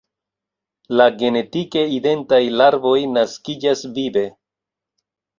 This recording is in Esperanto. La genetike identaj larvoj naskiĝas vive.